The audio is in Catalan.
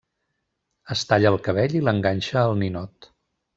Es talla el cabell i l'enganxa al ninot.